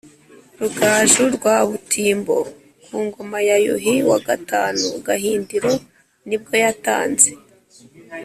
Rugaju rwa Butimbo ku ngoma ya Yuhi wa gatanu Gahindiro nibwo yatanze